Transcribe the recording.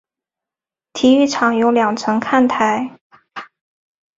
体育场有两层看台。